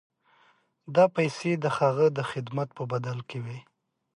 دا پیسې د هغه د خدمت په بدل کې وې.